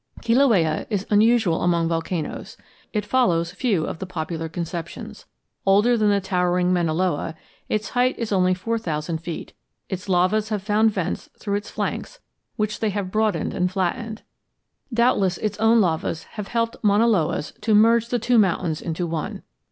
Kilauea is unusual among volcanoes. It follows few of the popular conceptions. Older than the towering Mauna Loa, its height is only four thousand feet. Its lavas have found vents through its flanks, which they have broadened and flattened. Doubtless its own lavas have helped Mauna Loa's to merge the two mountains into one.